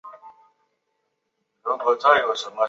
这令聚落缩小。